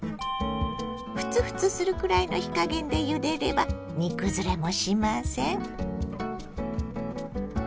ふつふつするくらいの火加減でゆでれば煮崩れもしません。